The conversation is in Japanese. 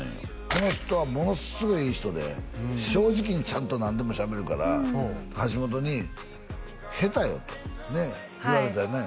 この人はものすごいいい人で正直にちゃんと何でもしゃべるから橋本に「下手よ」とねっ言われたよね